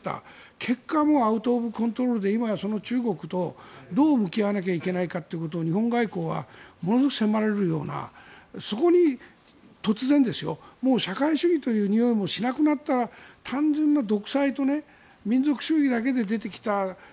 結果もアウト・オブ・コントロールで今やその中国とどう向き合わなきゃいけないかを日本側はものすごく迫られるようなそこに突然、社会主義というにおいもしなくなった単純な独裁と民族主義だけで出てきた